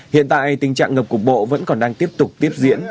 hiện tại tình trạng ngập cục bộ vẫn còn đang tiếp tục tiếp diễn